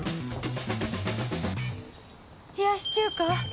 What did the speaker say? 冷やし中華